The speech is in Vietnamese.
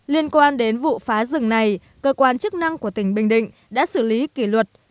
liên quan đến vụ phá rừng này cơ quan chức năng của tỉnh bình định đã xử lý kỷ luật